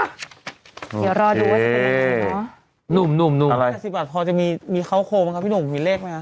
เดี๋ยวรอดูว่าจะเป็นอะไรใช่ไหม